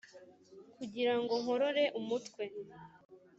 kugirango ngorore umutwe